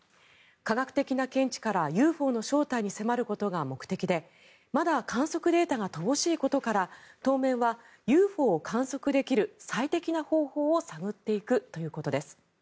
科学的な見地からＵＦＯの正体に迫ることが目的でまだ観測データが乏しいことから当面はＵＦＯを観測できる最適な方法を探っていくということです。